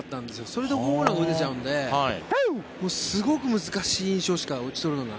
それでホームランが打てちゃうのですごく難しい印象しか打ち取るのが。